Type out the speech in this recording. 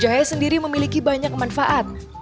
jahe sendiri memiliki banyak manfaat